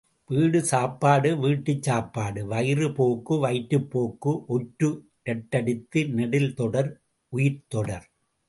வீடு சாப்பாடு வீட்டுச் சாப்பாடு, வயிறு போக்கு வயிற்றுப் போக்கு ஒற்று இரட்டித்த நெடில் தொடர் உயிர்த்தொடர்.